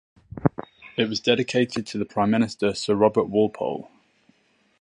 It was dedicated to the Prime Minister Sir Robert Walpole.